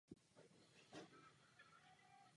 Na závěr ještě jedna poznámka k Lisabonu.